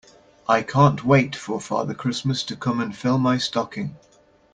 I can't wait for Father Christmas to come and fill my stocking